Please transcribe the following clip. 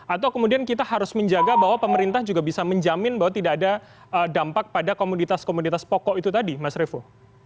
atau kemudian kita harus menjaga bahwa pemerintah juga bisa menjamin bahwa tidak ada dampak pada komoditas komoditas pokok itu tadi mas revo